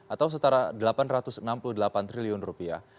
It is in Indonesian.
atau setara delapan ratus enam puluh delapan triliun rupiah